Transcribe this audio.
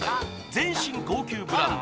全身高級ブランド